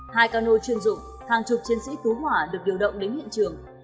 hai cano chuyên dụng hàng chục chiến sĩ cứu hỏa được điều động đến hiện trường